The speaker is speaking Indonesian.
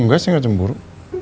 enggak saya gak cemburu